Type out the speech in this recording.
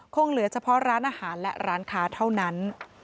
เหลือเฉพาะร้านอาหารและร้านค้าเท่านั้น